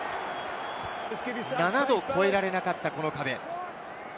７度、越えられなかったこの壁。